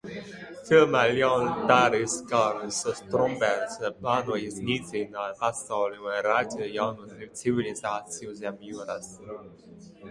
Filmā ļaundaris Karls Štrombergs plāno iznīcināt pasauli un radīt jaunu civilizāciju zem jūras.